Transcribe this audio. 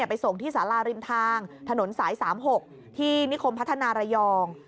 ไปส่งที่สาราริมทางถนนสาย๓๖ที่นิคมพัฒนาระยอง